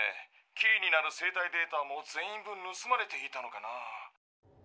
キーになる生体データも全員分ぬすまれていたのかな？